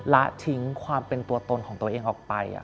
และทิ้งความเป็นตัวตนของตัวเองออกไป